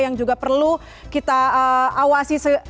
yang juga perlu kita awasi